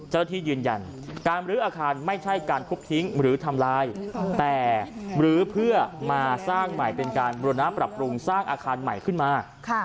เจ้าหน้าที่ยืนยันการบรื้ออาคารไม่ใช่การทุบทิ้งหรือทำลายแต่หรือเพื่อมาสร้างใหม่เป็นการบุรณะปรับปรุงสร้างอาคารใหม่ขึ้นมา